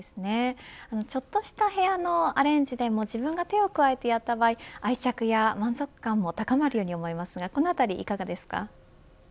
ちょっとした部屋のアレンジでも自分が手を加えてやった場合愛着や満足感も高まるように思いますがこのあたりいかがですか。